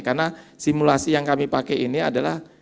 karena simulasi yang kami pakai ini adalah